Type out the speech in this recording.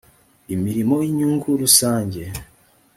imirimo y’inyungu rusange